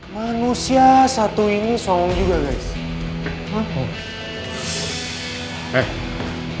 manusia satu ini sombong juga guys